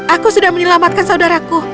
aku sudah menyelamatkan saudaraku